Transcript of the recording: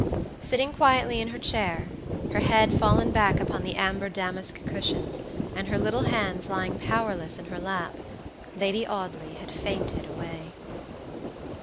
Sitting quietly in her chair, her head fallen back upon the amber damask cushions, and her little hands lying powerless in her lap, Lady Audley had fainted away.